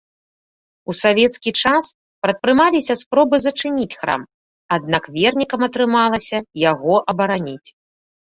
У савецкі час прадпрымаліся спробы зачыніць храм, аднак вернікам атрымалася яго абараніць.